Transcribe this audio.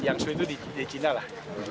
jiangsu itu di china lah